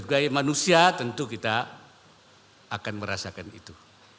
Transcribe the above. sebagai manusia tentu kita akan merasakan itu